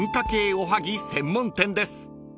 おはぎ専門店です］